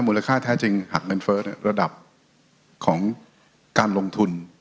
มูลค่าแท้จริงหักเงินเฟ้อระดับของการลงทุน